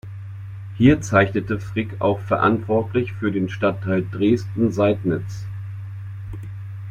Hier zeichnete Frick auch verantwortlich für den Stadtteil Dresden-Seidnitz.